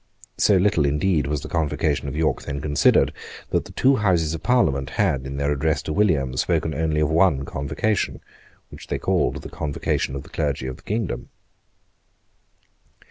So little indeed was the Convocation of York then considered, that the two Houses of Parliament had, in their address to William, spoken only of one Convocation, which they called the Convocation of the Clergy of the Kingdom.